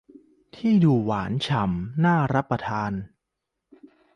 ที่ดูหวานฉ่ำน่ารับประทาน